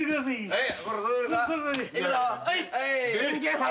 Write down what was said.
はい！